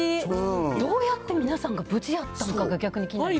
どうやって皆さんが無事やったんかが逆に気になります。